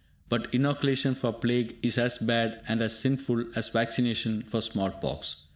But inoculation for plague is as bad and as sinful as vaccination for small pox.